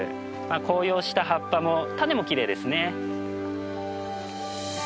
紅葉した葉っぱも種もきれいですね。